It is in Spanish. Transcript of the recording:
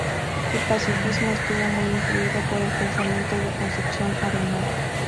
Su pacifismo estuvo muy influido por el pensamiento de Concepción Arenal.